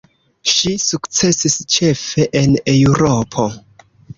Ŝi sukcesis ĉefe en Eŭropo.